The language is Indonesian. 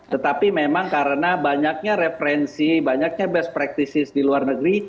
tetapi memang karena banyaknya referensi banyaknya best practices di luar negeri